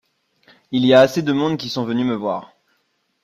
Il y a assez de monde qui sont venus me voir.